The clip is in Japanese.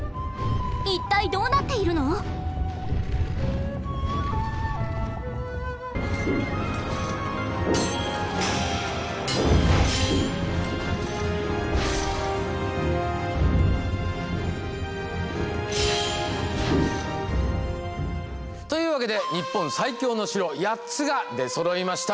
一体どうなっているの⁉というわけで日本最強のお城８つが出そろいました。